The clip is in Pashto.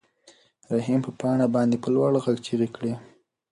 رحیم په پاڼه باندې په لوړ غږ چیغې کړې.